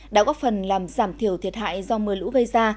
đã góp phần làm giảm thiểu thiệt hại do mưa lũ gây ra